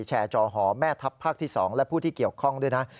จอหอแม่ทัพภาคที่๒และผู้ที่เกี่ยวข้องด้วยนะ